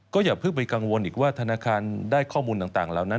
อย่าเพิ่งไปกังวลอีกว่าธนาคารได้ข้อมูลต่างเหล่านั้น